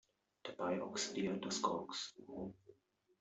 Dabei oxidiert das Koks.